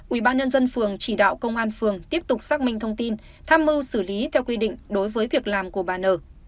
ủy ban nhân dân phường chỉ đạo công an phường tiếp tục xác minh thông tin tham mưu xử lý theo quy định đối với việc làm của bà n